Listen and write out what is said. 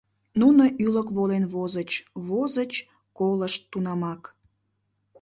Нуно ӱлык волен возыч-возыч, колышт тунамак.